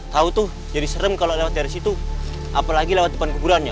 tahu tuh jadi serem kalau lewat dari situ apalagi lewat depan kuburannya